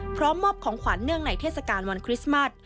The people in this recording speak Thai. พร้อมมอบของขวัญเนื่องในเทศกาลวันคริสต์มัส